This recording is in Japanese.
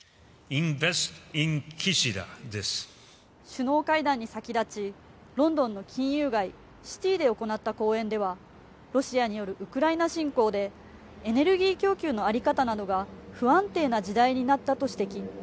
首脳会談に先立ち、ロンドンの金融街、シティで行った講演ではロシアによるウクライナ侵攻でエネルギー供給の在り方などが不安定な時代になったと指摘。